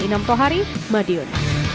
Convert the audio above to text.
inam tohari madiun